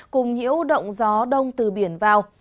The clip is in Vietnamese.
cùng nhiễu động gió đông từ biển vào